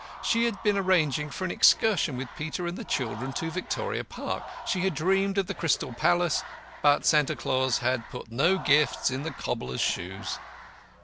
She had been arranging for an excursion with Peter and the children to Victoria Park. (She had dreamed of the Crystal Palace, but Santa Claus had put no gifts in the cobbler's shoes.)